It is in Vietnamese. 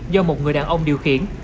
do một người đàn ông điều khiển